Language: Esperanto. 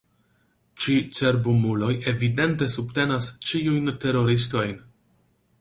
Ĉi cerbumuloj evidente subtenas ĉiujn teroristojn.